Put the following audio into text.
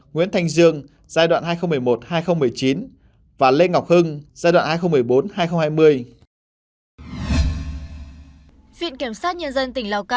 nguyễn thanh dương giai đoạn hai nghìn một mươi một hai nghìn một mươi chín và lê ngọc hưng giai đoạn hai nghìn một mươi bốn hai nghìn hai mươi